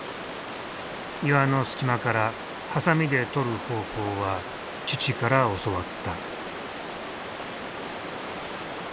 岩の隙間からハサミでとる方法は父から教わった。